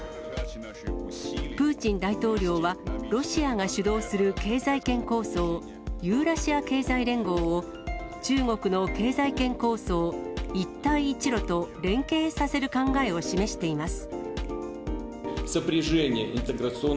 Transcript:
プーチン大統領は、ロシアが主導する経済圏構想、ユーラシア経済連合を中国の経済圏構想、一帯一路と連携させる考えを示しています。